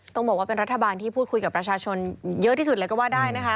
ต้องบอกว่าเป็นรัฐบาลที่พูดคุยกับประชาชนเยอะที่สุดเลยก็ว่าได้นะคะ